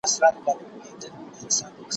نوک او اورۍ نه سره جلا کېږي.